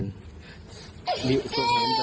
ส่งง้อเมียด้วยวิธีนี้หรอพี่